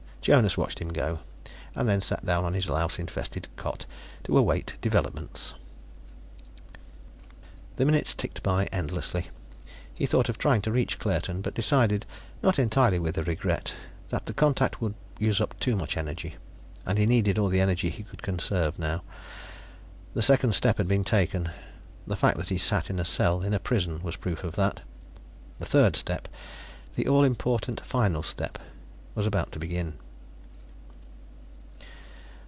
Jonas watched him go, and then sat down on his louse infested cot to await developments. The minutes ticked by endlessly. He thought of trying to reach Claerten, but decided, not entirely with regret, that the contact would use up too much energy. And he needed all the energy he could conserve now. The second step had been taken the fact that he sat in a cell in prison was proof of that. The third step the all important final step was about to begin.